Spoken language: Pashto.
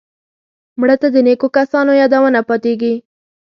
مړه ته د نیکو کسانو یادونه پاتېږي